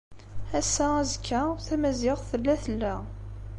Ass-a azekka, Tamaziɣt tella tella.